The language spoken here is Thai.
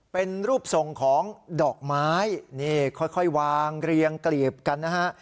เป็นรูปทรงของดอกไม้นี่ค่อยวางเรียงกลีบกันนะฮะ